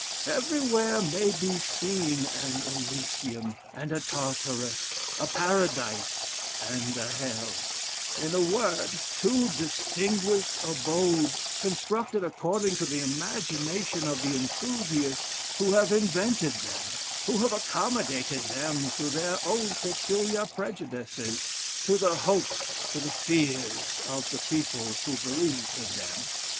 Everywhere may be seen an Elysium, and a Tartarus, a Paradise and a Hell; in a word, two distinguished abodes, constructed according to the imagination of the enthusiasts who have invented them; who have accommodated them to their own peculiar prejudices, to the hopes, to the fears of the people who believe in them.